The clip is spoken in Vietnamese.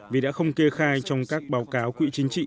vì đã không kê khai trong các báo cáo quỹ chính trị